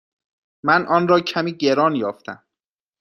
من آن را کمی گران یافتم.